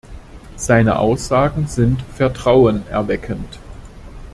Seine Aussagen sind Vertrauen erweckend.